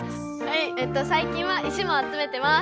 えとさい近は石も集めてます。